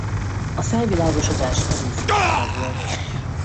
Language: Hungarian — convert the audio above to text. A felvilágosodás előfutára volt.